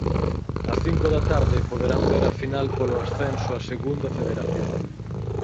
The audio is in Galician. Ás cinco da tarde poderán ver a final polo ascenso á segunda Federación.